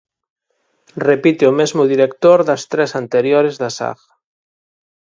Repite o mesmo director das tres anteriores da saga.